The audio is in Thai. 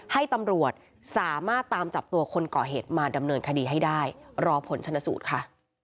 ให้ตำรวจสามารถตามจับตัวคนก่อเหตุมาดำเนินคดีให้ได้รอผลชนสูตรค่ะ